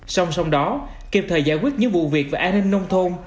xong xong đó kịp thời giải quyết những vụ việc về an ninh nông thôn